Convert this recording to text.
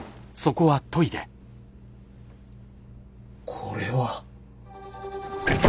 これは。